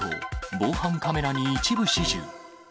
防犯カメラに一部始終。